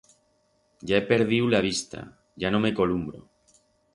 Ya he perdiu la vista, ya no me columbro.